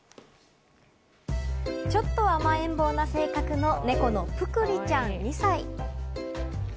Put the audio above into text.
ちょっと甘えん坊な性格の猫のぷくりちゃん、２歳。